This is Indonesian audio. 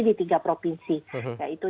di tiga provinsi yaitu